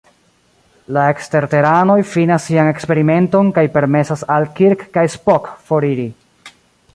La eksterteranoj finas sian eksperimenton kaj permesas al Kirk kaj Spock foriri.